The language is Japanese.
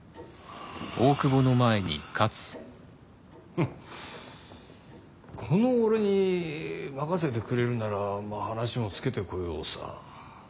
フッこの俺に任せてくれるならまあ話もつけてこようさ。